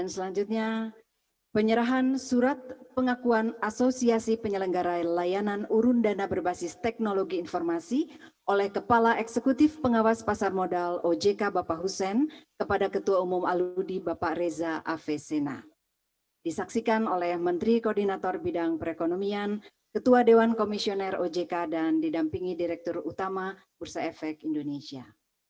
ya bapak ibu sekalian penyerahan ini sekaligus merupakan peluncuran asosiasi layanan umum dana indonesia